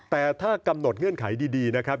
แต่ถ้ากำหนดเงื่อนไขดีนะครับ